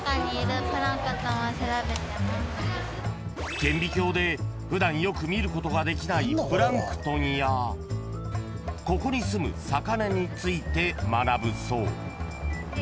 ［顕微鏡で普段よく見ることができないプランクトンやここにすむ魚について学ぶそう］